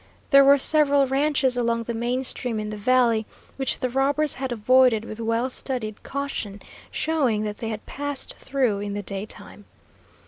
There were several ranches along the main stream in the valley, which the robbers had avoided with well studied caution, showing that they had passed through in the daytime.